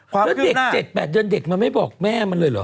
แล้วเด็ก๗๘เดือนเด็กมันไม่บอกแม่มันเลยเหรอ